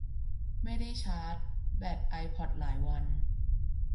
ไม่ได้ชาร์จแบตไอพอดหลายวัน